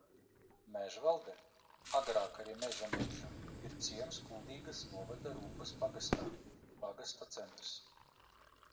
Mežvalde, agrāk arī Mežamuiža, ir ciems Kuldīgas novada Rumbas pagastā, pagasta centrs.